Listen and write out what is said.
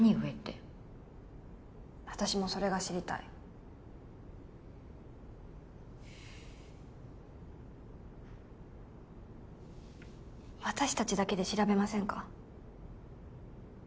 上って私もそれが知りたい私たちだけで調べませんか？